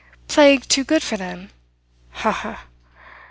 Plague too good for them? Ha, ha, ha!"